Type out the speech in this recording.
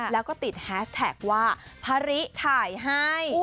แล้วก็ติดแฮสแท็กว่าพระริถ่ายให้